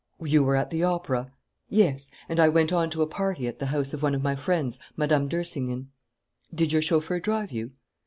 "You were at the opera?" "Yes; and I went on to a party at the house of one of my friends, Mme. d'Ersingen." "Did your chauffeur drive you?"